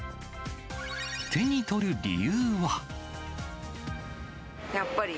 手に取る理由は。